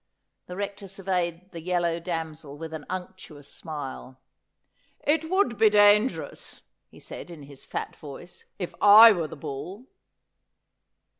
The Rector surveyed the yellow damsel with an unctuous smile. ' It would be dangerous,' he said in his fat voice, ' if I were the bull.'